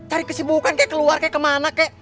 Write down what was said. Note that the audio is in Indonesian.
ya lu cari kesibukan kayak keluar kayak kemana kayak